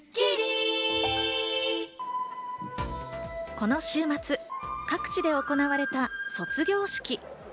この週末、各地で行われた卒業式。